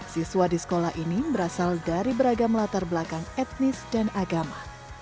siswa di sekolah ini berasal dari beragam latar belakang etnis dan agama